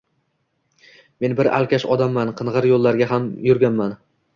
Men bir alkash odamman, qingʻir yoʻllarga ham yurganman